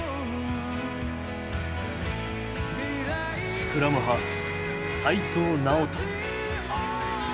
スクラムハーフ齋藤直人。